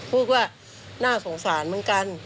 พูดว่าน่าสงสารเหมือนกัน